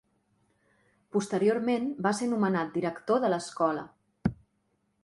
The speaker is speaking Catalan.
Posteriorment va ser nomenat director de l'Escola.